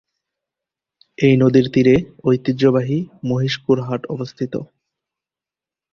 এই নদীর তীরে ঐতিহ্যবাহী মহিষকুড় হাট অবস্থিত।